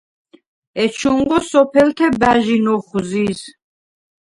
ეჩუნღო სოფელთე ბა̈ჟინ ოხვზიზ.